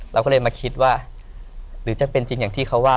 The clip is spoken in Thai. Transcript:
เราก็เลยมาคิดว่าหรือจะเป็นจริงอย่างที่เขาว่า